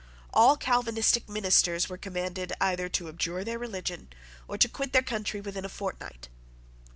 All Calvinistic ministers were commanded either to abjure their religion or to quit their country within a fortnight.